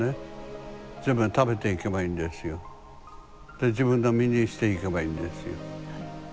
で自分の身にしていけばいいんですよ。